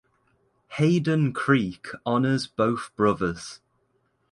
Hayden Creek honors both brothers.